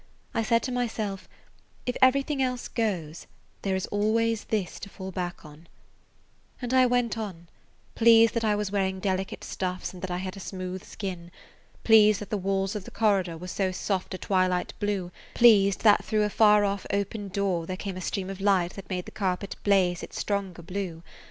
I said to myself, "If everything else goes, there is always this to fall back on," and I went on, pleased that I was wearing delicate stuffs and that I had a smooth skin, pleased that the walls of the corridor were so soft a twilight blue, pleased that through a far off open door there came a stream of light that made the carpet blaze its stronger blue.